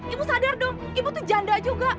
ibu sadar dong ibu tuh janda juga